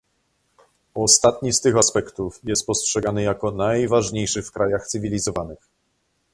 Ostatni z tych aspektów jest postrzegany jako najważniejszy w krajach cywilizowanych